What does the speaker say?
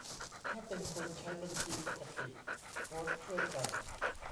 ถ้าเป็นคนใช้บัญชีปกติโพสต์ช่วยกัน